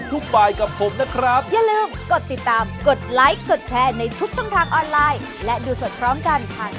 สวัสดีค่ะ